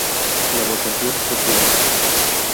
La votación fue pública.